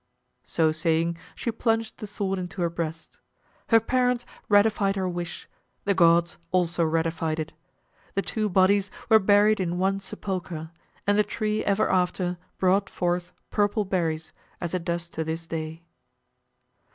So saying she plunged the sword into her breast. Her parents ratified her wish, the gods also ratified it. The two bodies were buried in one sepulchre, and the tree ever after brought forth purple berries, as it does to this day.